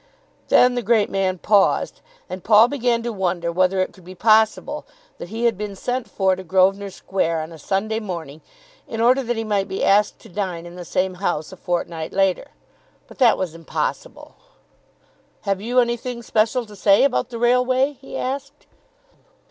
Then the great man paused, and Paul began to wonder whether it could be possible that he had been sent for to Grosvenor Square on a Sunday morning in order that he might be asked to dine in the same house a fortnight later. But that was impossible. "Have you anything special to say about the Railway?" he asked.